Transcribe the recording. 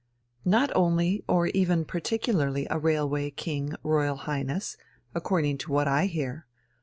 "Not only, nor even particularly, a railway king, Royal Highness, according to what I hear.